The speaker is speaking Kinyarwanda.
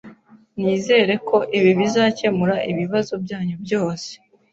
Nizere ko ibi bizakemura ibibazo byanyu byose.